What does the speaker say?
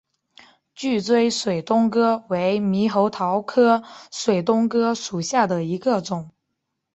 聚锥水东哥为猕猴桃科水东哥属下的一个种。